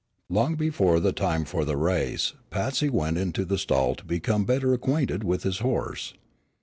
Long before the time for the race Patsy went into the stall to become better acquainted with his horse.